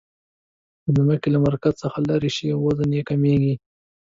د ځمکې له مرکز څخه لیرې شئ وزن یي کمیږي.